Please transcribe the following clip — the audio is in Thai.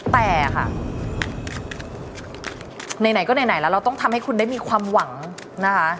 แต่ค่ะไหนก็ไหนแล้วเราต้องทำให้คุณได้มีความหวังนะคะ